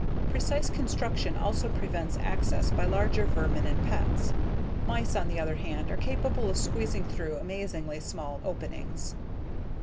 Precise construction also prevents access by larger vermin and pets. Mice, on the other hand, are capable of squeezing through amazingly small openings.